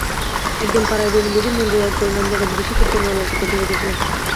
একদিন পাড়ায় গোবিন্দজির মন্দিরে একদল নামজাদা বিদেশী কীর্তনওয়ালার কীর্তন চলিতেছিল।